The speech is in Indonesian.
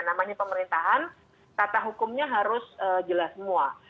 namanya pemerintahan tata hukumnya harus jelas semua